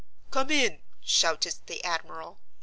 "Come in!" shouted the admiral.